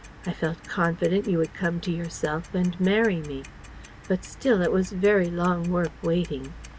I felt confident you would come to yourself and marry me. But still, it was very long work waiting.